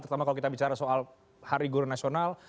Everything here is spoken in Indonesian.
terutama kalau kita bicara soal hari guru nasional